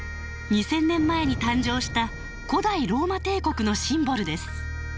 ２千年前に誕生した古代ローマ帝国のシンボルです。